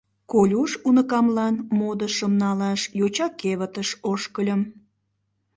Колюш уныкамлан модышым налаш йоча кевытыш ошкыльым.